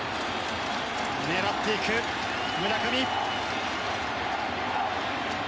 狙っていく村上。